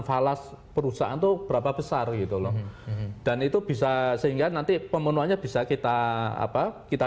falas perusahaan itu berapa besar gitu loh dan itu bisa sehingga nanti pemenuhannya bisa kita apa kita